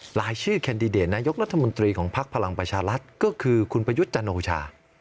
หลายชื่อแคนดิเดตนายกรัฐมนตรีของภักดิ์พลังประชารัฐก็คือคุณประยุทธ์จันโอชา